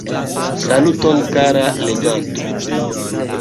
Saluton, kara leganto!